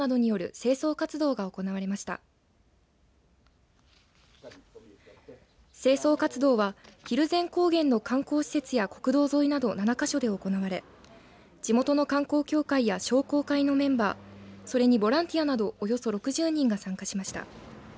清掃活動は蒜山高原の観光施設や国道沿いなど７か所で行われ地元の観光協会や商工会のメンバーそれにボランティアなどおよそ６０人が参加しました。